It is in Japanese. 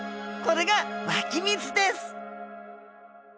これが湧き水です！